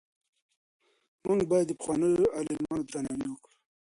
موږ باید د پخوانیو عالمانو درناوی وکړو.